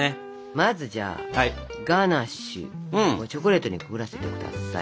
まずじゃあガナッシュをチョコレートにくぐらせて下さい。